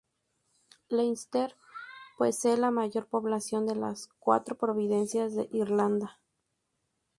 Leinster posee la mayor población de las cuatro provincias de Irlanda.